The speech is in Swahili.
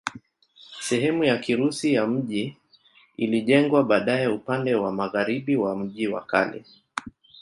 Sehemu ya Kirusi ya mji ilijengwa baadaye upande wa magharibi wa mji wa kale.